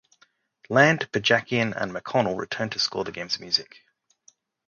Land, Bajakian and McConnell returned to score the game's music.